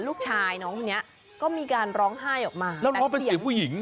ลูกชายน้องคนนี้ก็มีการร้องไห้ออกมาแล้วน้องเป็นเสียงผู้หญิง